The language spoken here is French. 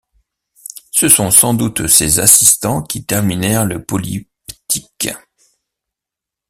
Ce sont sans doute ses assistants qui terminérent le polyptyque.